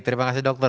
terima kasih dokter